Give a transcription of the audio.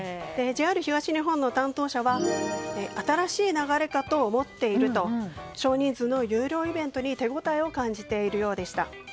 ＪＲ東日本の担当者は新しい流れかと思っていると少人数の有料イベントに手応えを感じているようでした。